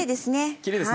きれいですね。